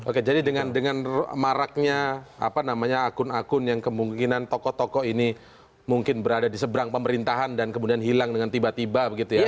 oke jadi dengan maraknya akun akun yang kemungkinan tokoh tokoh ini mungkin berada di seberang pemerintahan dan kemudian hilang dengan tiba tiba begitu ya